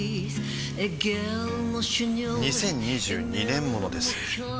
２０２２年モノです